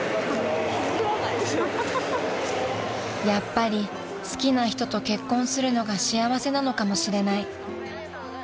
［やっぱり好きな人と結婚するのが幸せなのかもしれない］